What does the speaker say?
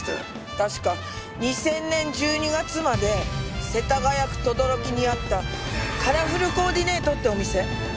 確か２０００年１２月まで世田谷区等々力にあったカラフルコーディネートってお店。